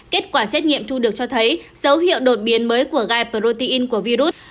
kết quả xét nghiệm thu được cho thấy dấu hiệu đột biến mới của gai protein của virus